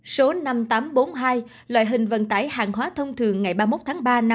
số năm nghìn tám trăm bốn mươi hai loại hình vận tải hàng hóa thông thường ngày ba mươi một tháng ba năm hai nghìn hai mươi